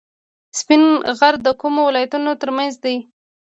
سپین غر د کومو ولایتونو ترمنځ دی؟